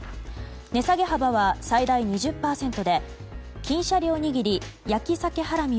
値下げ幅は最大２０％で金しゃりおにぎり焼さけハラミ